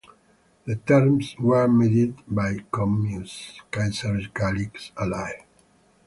The terms were mediated by Commius, Caesar's Gallic ally.